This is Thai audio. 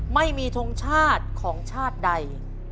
ไม่มีทงชาติของชาติใด